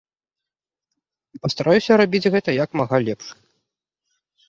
І пастараюся рабіць гэта як мага лепш.